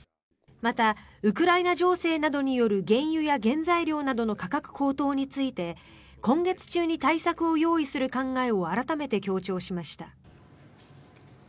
またウクライナ情勢などによる原油や原材料などの価格高騰について今月中に対策を用意する考えを改めて強調しました。